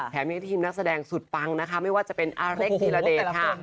ยังมีทีมนักแสดงสุดปังนะคะไม่ว่าจะเป็นอาเล็กธีรเดชค่ะ